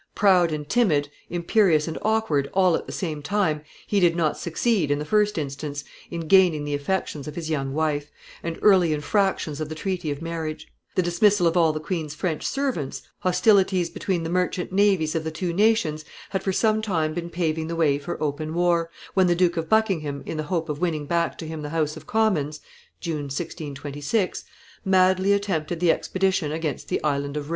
Proud and timid, imperious and awkward, all at the same time, he did not succeed, in the first instance, in gaining the affections of his young wife, and early infractions of the treaty of marriage; the dismissal of all the queen's French servants, hostilities between the merchant navies of the two nations, had for some time been paving the way for open war, when the Duke of Buckingham, in the hope of winning back to him the House of Commons (June, 1626), madly attempted the expedition against the Island of Re.